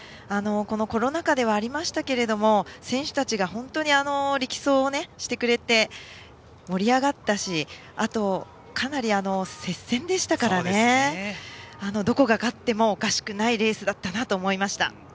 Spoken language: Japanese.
コロナ禍ではありましたが選手たちが本当に力走をしてくれて盛り上がったしあと、かなり接戦でしたからどこが勝ってもおかしくないレースだったなと思いました。